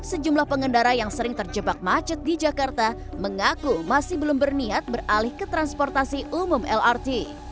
sejumlah pengendara yang sering terjebak macet di jakarta mengaku masih belum berniat beralih ke transportasi umum lrt